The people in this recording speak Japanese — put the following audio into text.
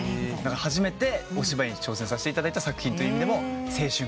初めてお芝居に挑戦させていただいた作品という意味でも青春かなと思いました。